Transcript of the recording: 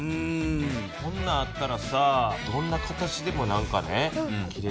こんなんあったらさどんな形でも切れそうやね。